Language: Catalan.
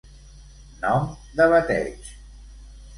Nom de bateig.